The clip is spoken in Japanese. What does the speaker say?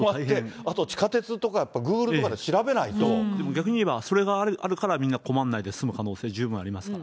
あと地下鉄とか、逆にいえば、それがあるからみんな困んないで済む可能性、十分ありますから。